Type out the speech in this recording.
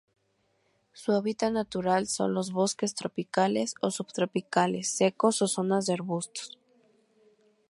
Su hábitat natural son los bosques tropicales o subtropicales secos o zonas de arbustos.